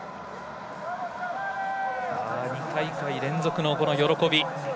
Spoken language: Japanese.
２大会連続の喜び。